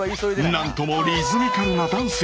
何ともリズミカルなダンス！